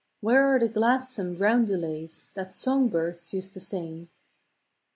Where are the gladsome roundelays The song birds used to siifg?